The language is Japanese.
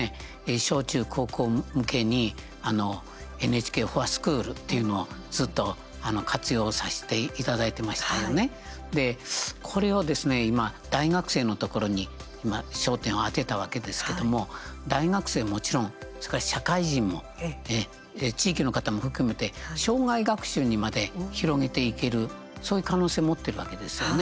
小中高校向けに「ＮＨＫｆｏｒＳｃｈｏｏｌ」というのをずっと活用させていただいてましたよねこれをですね、今大学生のところに焦点を当てたわけですけども大学生はもちろん、それから社会人も地域の方も含めて生涯学習にまで広げていけるそういう可能性を持ってるわけですよね。